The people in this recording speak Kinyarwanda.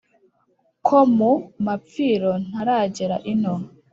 ko mu mapfiro ntaragera ino.